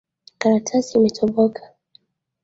Karatasi imetoboka.